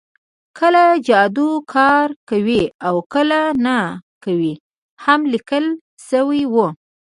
کله جادو کار کوي او کله نه کوي هم لیکل شوي وو